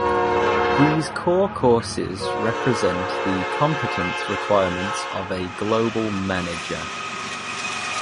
These core courses represent the competence requirements of a global manager.